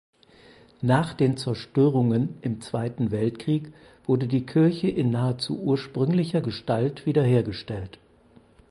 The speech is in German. Nach den Zerstörungen im Zweiten Weltkrieg wurde die Kirche in nahezu ursprünglicher Gestalt wiederhergestellt.